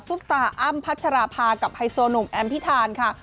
ตาอ้ำพัชราภากับไฮโซหนุ่มแอมพิธานค่ะ